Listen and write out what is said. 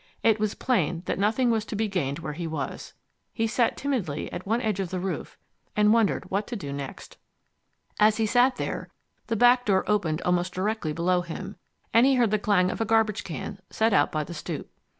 It was plain that nothing was to be gained where he was. He sat timidly at one edge of the roof and wondered what to do next. As he sat there, the back door opened almost directly below him, and he heard the clang of a garbage can set out by the stoop.